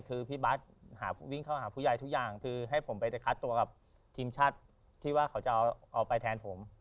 คือพี่บาทวิ่งเข้าหาผู้ใหญ่ทุกอย่างคือให้ผมไปคัดตัวกับทีมชาติที่ว่าเขาจะเอาไปแทนผม